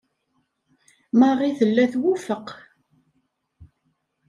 Marie tella twufeq.